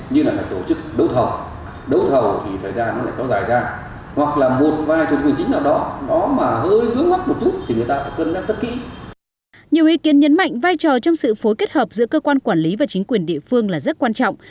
nhiều ý kiến nhấn mạnh vai trò trong sự phối kết hợp giữa cơ quan quản lý và chính quyền địa phương là rất quan trọng